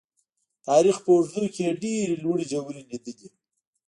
تاریخ په اوږدو کې یې ډېرې لوړې ژورې لیدلي.